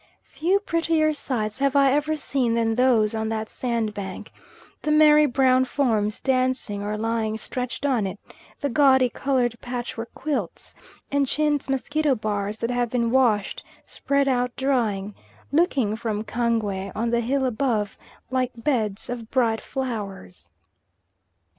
Few prettier sights have I ever seen than those on that sandbank the merry brown forms dancing or lying stretched on it: the gaudy coloured patchwork quilts and chintz mosquito bars that have been washed, spread out drying, looking from Kangwe on the hill above, like beds of bright flowers.